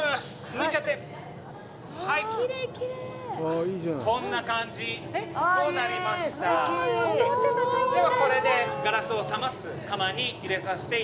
抜いちゃってはいこんな感じとなりましたではこれでガラスを冷ます窯に入れさせて頂きます